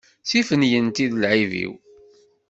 D tiffinyent i d lεib-iw.